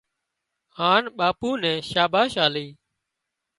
هانَ ٻاپو نين شاباس آلي